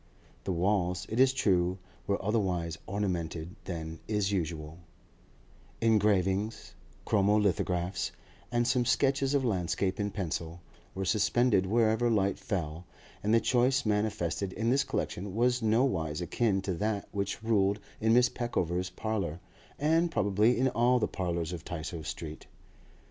The walls, it is true, were otherwise ornamented than is usual; engravings, chromo lithographs, and some sketches of landscape in pencil, were suspended wherever light fell, and the choice manifested in this collection was nowise akin to that which ruled in Mrs. Peckover's parlour, and probably in all the parlours of Tysoe Street.